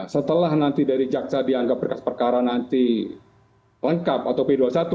setelah nanti dari jaksa dianggap berkas perkara nanti lengkap atau p dua puluh satu